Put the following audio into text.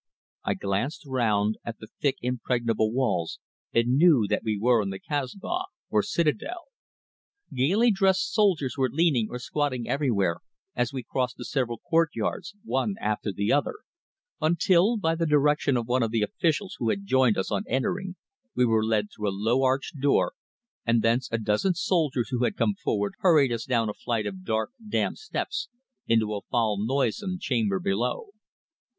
I glanced round at the thick impregnable walls and knew that we were in the Kasbah, or citadel. Gaily dressed soldiers were leaning or squatting everywhere as we crossed the several court yards, one after the other, until, by the direction of one of the officials who had joined us on entering, we were led through a low arched door, and thence a dozen soldiers who had come forward hurried us down a flight of dark damp steps into a foul noisome chamber below.